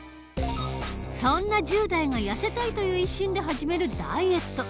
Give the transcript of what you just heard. そんな１０代がやせたいという一心で始めるダイエット。